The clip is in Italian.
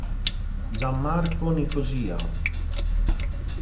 Gianmarco Nicosia